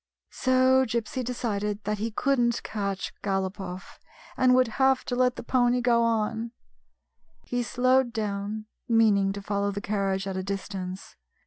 So Gypsy decided that he could n't catch Galopoff, and would have to let the pony go on. He slowed down, meaning to follow the carriage at a distance.